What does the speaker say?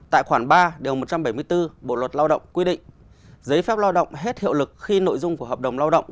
tại khoản ba điều một trăm bảy mươi bốn bộ luật lao động quy định giấy phép lao động hết hiệu lực khi nội dung của hợp đồng lao động